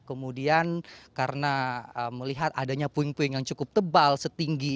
kemudian karena melihat adanya puing puing yang cukup tebal setinggi